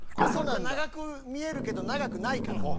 そこ長く見えるけど長くないから。